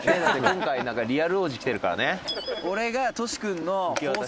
「今回なんかリアル王子来てるからね」